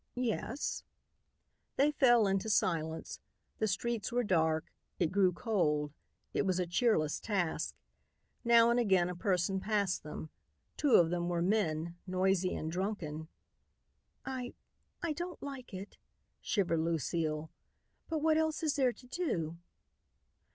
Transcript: "Yes." They fell into silence. The streets were dark. It grew cold. It was a cheerless task. Now and again a person passed them. Two of them were men, noisy and drunken. "I I don't like it," shivered Lucile, "but what else is there to do?"